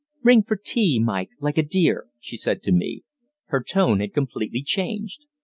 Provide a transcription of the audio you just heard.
"Ring for tea, Mike, like a dear," she said to me. Her tone had completely changed.